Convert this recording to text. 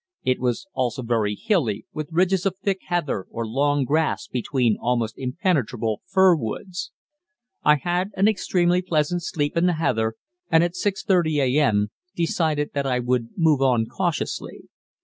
It was also very hilly, with ridges of thick heather or long grass between almost impenetrable fir woods. I had an extremely pleasant sleep in the heather, and at 6.30 a.m. decided that I would move on cautiously.